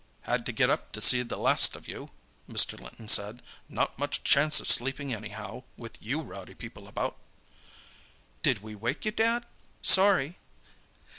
"Had to get up to see the last of you," Mr. Linton said; "not much chance of sleeping anyhow, with you rowdy people about." "Did we wake you, Dad?—sorry."